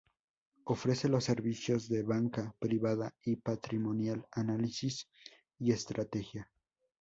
Ofrece los servicios de Banca Privada y Patrimonial, Análisis y Estrategia.